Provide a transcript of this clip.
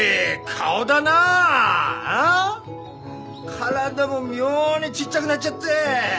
体も妙にちっちゃくなっちゃって。